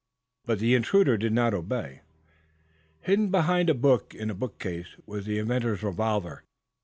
But the intruder did not obey. Hidden behind a book in a bookcase was the inventor's revolver.